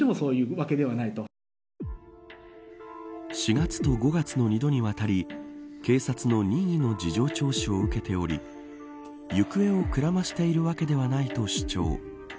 ４月と５月の２度にわたり警察の任意の事情聴取を受けており行方をくらましているわけではないと主張。